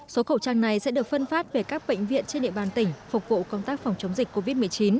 số khẩu trang này sẽ được phân phát về các bệnh viện trên địa bàn tỉnh phục vụ công tác phòng chống dịch covid một mươi chín